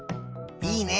いいね。